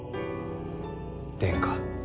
殿下。